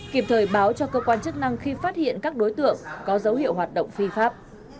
kịp thời báo cho cơ quan chức năng khi phát hiện các đối tượng có dấu hiệu hoạt động phi pháp